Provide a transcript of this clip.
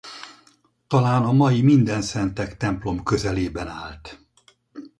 Talán a mai Mindenszentek templom közelében állt.